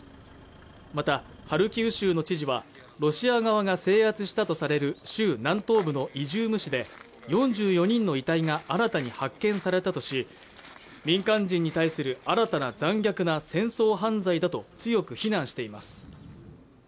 またハルキウ州の知事はロシア側が制圧したとされる州南東部のイジューム市で４４人の遺体が新たに発見されたとし民間人に対する新たな残虐な戦争犯罪だと強く非難しています